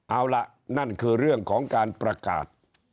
เอาล่ะนั่นคือเรื่องของการประกาศ